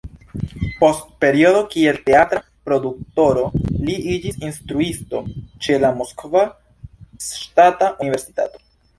Post periodo kiel teatra produktoro, li iĝis instruisto ĉe la Moskva Ŝtata Universitato.